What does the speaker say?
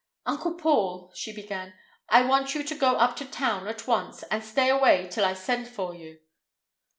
"Uncle Paul," she began, "I want you to go up to town at once, and stay away till I send for you."